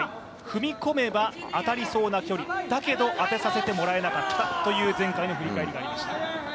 踏み込めば当たりそうな距離、だけど、当てさせてもらえなかったという前回の振り返りがありました。